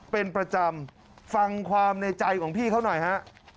เป็นประจำฟังความในใจของพี่เขาหน่อยฮะ